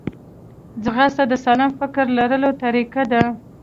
ځغاسته د سالم فکر لرلو طریقه ده